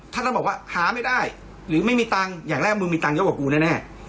ท่านต้องบอกว่าหาไม่ได้หรือไม่มีตังค์อย่างแรกมึงมีตังค์เยอะกว่ากูแน่